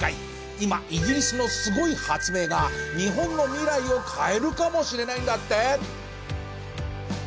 今イギリスのすごい発明が日本の未来を変えるかもしれないんだって。